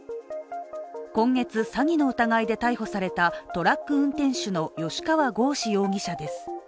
今月、詐欺の疑いで逮捕されたトラック運転手の吉川剛司容疑者です。